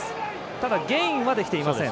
ただ、ゲインはできていません。